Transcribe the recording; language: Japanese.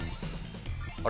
あれ？